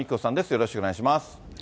よろしくお願いします。